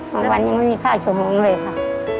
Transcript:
แต่วันนี้ไม่มีค่าชมงงเลยค่ะ